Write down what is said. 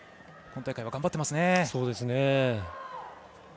今大会は頑張っていますね。